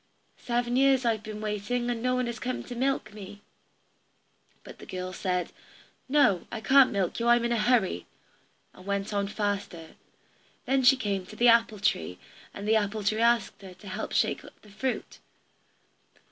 Seven years have I been waiting, and no one has come to milk me." But the girl said, "No, I can't milk you, I'm in a hurry," and went on faster. Then she came to the apple tree, and the apple tree asked her to help shake the fruit.